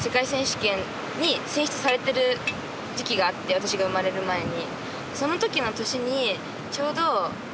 私が生まれる前に。